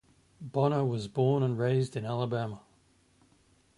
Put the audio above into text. Bonner was born and raised in Alabama.